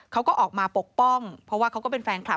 เขาก็ออกมาปกป้องเพราะว่าเขาก็เป็นแฟนคลับ